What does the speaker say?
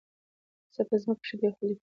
"زه په ځمكه كښي د يو خليفه پيدا كوونكى يم!"